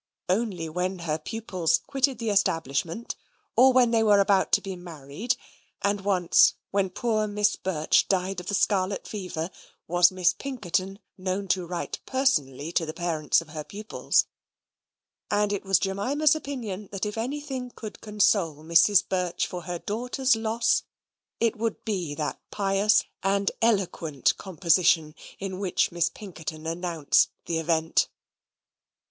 Only when her pupils quitted the establishment, or when they were about to be married, and once, when poor Miss Birch died of the scarlet fever, was Miss Pinkerton known to write personally to the parents of her pupils; and it was Jemima's opinion that if anything could console Mrs. Birch for her daughter's loss, it would be that pious and eloquent composition in which Miss Pinkerton announced the event.